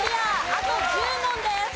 あと１０問です。